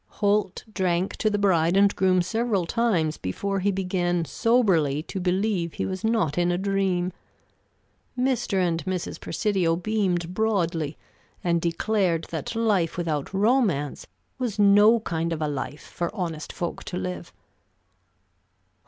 Holt drank to the bride and groom several times before he began soberly to believe he was not in a dream. Mr. and Mrs. Presidio beamed broadly, and declared that life without romance was no kind of a life for honest folk to live.